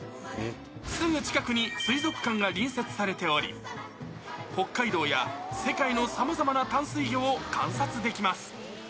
すぐ近くに水族館が隣接されており、北海道や世界のさまざまな淡水魚を観察できます。